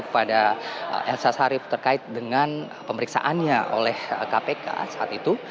kepada elsa sharif terkait dengan pemeriksaannya oleh kpk saat itu